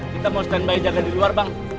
kita mau stand by jaga di luar bang